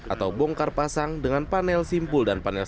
atau bongkar pasang dengan panel simpul dan panel